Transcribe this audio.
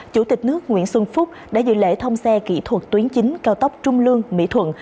chủ tịch nước nguyễn xuân phúc đã dự lễ thông xe kỹ thuật tuyến chính cao tốc trung lương mỹ thuận